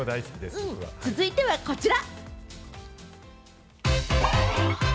続いてはこちら！